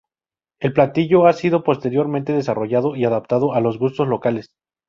El platillo ha sido posteriormente desarrollado y adaptado a los gustos locales.